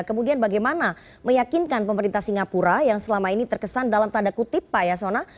kemudian bagaimana meyakinkan pemerintah singapura yang selama ini terkesan dalam tanda kutip pak yasona